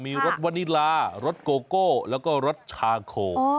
มีรสวานิลารสโกโก้แล้วก็รสชาโค